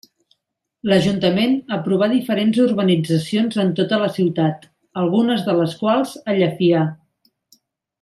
L'Ajuntament aprovà diferents urbanitzacions en tota la ciutat, algunes de les quals a Llefià.